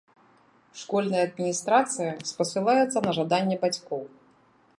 Школьная адміністрацыя спасылаецца на жаданне бацькоў.